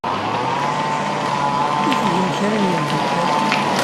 I tgem kra a imeddukal?